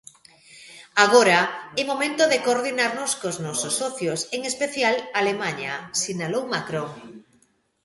"Agora, é momento de coordinarnos cos nosos socios, en especial Alemaña", sinalou Macron.